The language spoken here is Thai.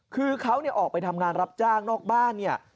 คือเขาออกไปทำงานรับจ้างนอกบ้านเนี่ย